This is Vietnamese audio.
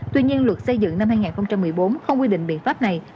tuy nhiên luật xây dựng năm hai nghìn một mươi bốn không quy định biện pháp này